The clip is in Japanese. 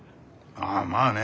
ああまあね。